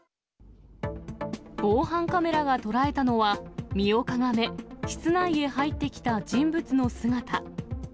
防犯カメラが捉えたのは、身をかがめ、室内へ入ってきた人物の姿。